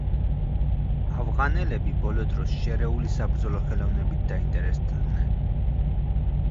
ავღანელები ბოლო დროს შერეული საბრძოლო ხელოვნებით დაინტერესდნენ.